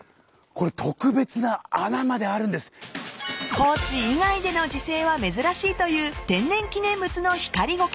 ［高地以外での自生は珍しいという天然記念物のヒカリゴケ］